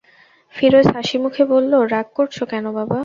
ফিরোজ হাসিমুখে বলল, রাগ করছ, কেন বাবা?